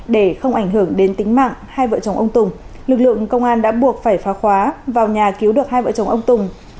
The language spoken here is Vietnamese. để không ảnh hưởng đến tính mạng hai vợ chồng ông tùng lực lượng công an đã buộc phải phá khóa vào nhà cứu được hai vợ chồng ông tùng